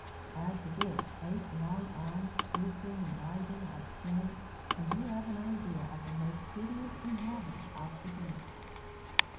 Add to this eight long arms twisting and writhing like snakes, and you have an idea of the most hideous inhabitant of the deep.